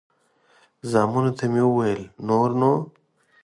زامنو ته مې وویل نور نو.